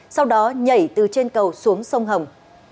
sau đó nhảy từ trên cầu xuống sông hồng